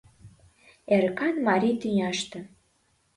Эрыкан марий тӱняште